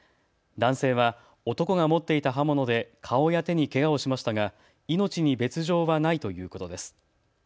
男性は男が持っていた刃物で顔や手にけがをしましたが命に別状はないということです。